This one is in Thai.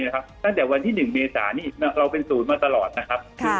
นี้นะครับตั้งแต่วันที่๑เมษาเราเป็น๐มาตลอดนะครับค่ะ